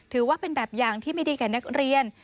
ถือว่าเป็นแบบอย่างที่ไม่ดีแก่นักเรียน